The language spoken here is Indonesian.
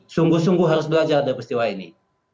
sungguh sungguh harus belajar dari peristiwa ini